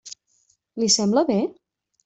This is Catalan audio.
Li sembla bé?